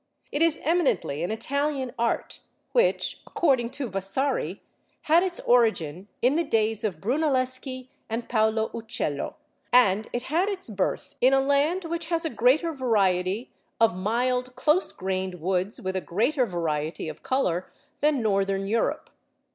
It is eminently an Italian art, which according to Vasari had its origin in the days of Brunelleschi and Paolo Uccello; and it had its birth in a land which has a greater variety of mild close grained woods with a greater variety of colour than Northern Europe.